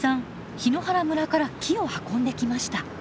檜原村から木を運んできました。